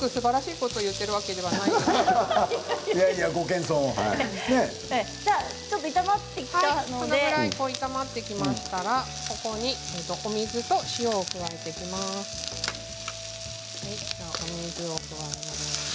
ここまで炒まってきましたらここにお水と塩を加えていきます。